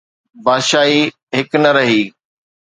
بادشاهي هڪ نه رهي.